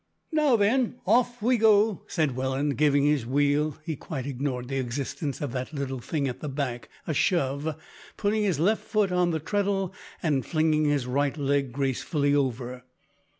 "Now then, off we go," said Welland, giving his wheel he quite ignored the existence of the little thing at the back a shove, putting his left foot on the treadle, and flinging his right leg gracefully over.